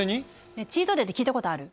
ねえチートデーって聞いたことある？